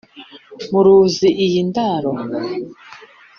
Muruzi iyi ndaro